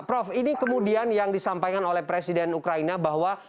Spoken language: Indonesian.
prof ini kemudian yang disampaikan oleh presiden ukraina bahwa